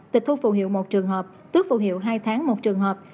tịch thu phụ hiệu một trường hợp tước phù hiệu hai tháng một trường hợp